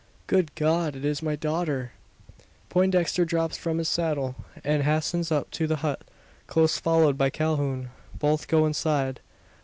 "Good God, it is my daughter!" Poindexter drops from his saddle, and hastens up to the hut close followed by Calhoun. Both go inside.